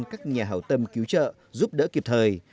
các nhà hào tâm cứu trợ giúp đỡ kịp thời